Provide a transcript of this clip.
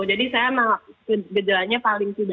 jadi saya emang gejalanya paling tidak ada